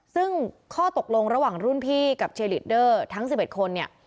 ซึ่งข้อตกลงระหว่างรุ่นพี่กับเชลิดเดอร์ทั้ง๑๑คนเนี่ย